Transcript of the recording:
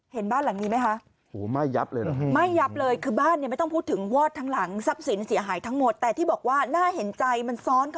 เห็นบ้านหลังนี้ไหมคะ